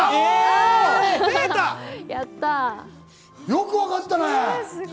よくわかったね！